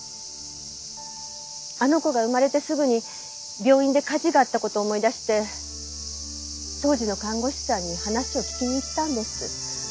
あの子が産まれてすぐに病院で火事があった事を思い出して当時の看護師さんに話を聞きに行ったんです。